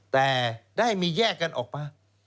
แต่ได้มีแยกกันออกมา